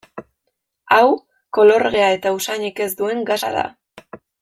Hau, kolorgea eta usainik ez duen gasa da.